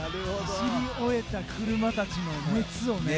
走り終えた車たちの熱をね。